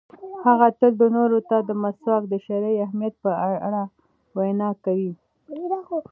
هغه تل نورو ته د مسواک د شرعي اهمیت په اړه وینا کوي.